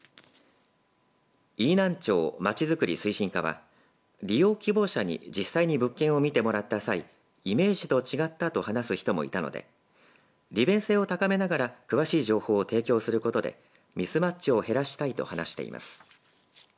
飯南町まちづくり推進課は利用希望者に実際に物件を見てもらった際イメージと違ったと話す人もいたので利便性を高めながら詳しい情報を提供することでミスマッチを減らしたいと話しています。